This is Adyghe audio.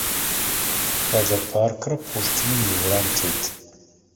Къэлэ паркыр Пушкиным иурам тет.